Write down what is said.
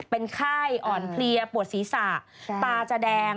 เป็นไข้อ่อนเพลียปวดศีรษะตาจะแดง